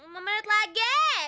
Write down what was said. lima menit lagi